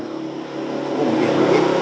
cũng một điểm là hết